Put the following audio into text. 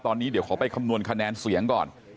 ตอนนี้เดี๋ยวขอไปคำนวณคะแนนเสียงก่อน